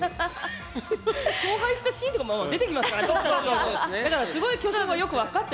荒廃したシーンとかも出てきますからね。